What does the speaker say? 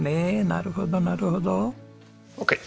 なるほどなるほど。